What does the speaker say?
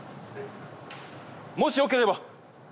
もしよければ。